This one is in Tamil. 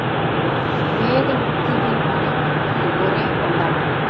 வேதமுத்துவின் மனைவிக்கு ஒரே கொண்டாட்டம்.